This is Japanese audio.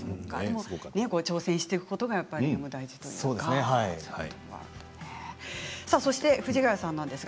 挑戦していくことが大事ということですね。